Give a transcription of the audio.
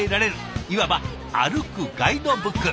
いわば歩くガイドブック。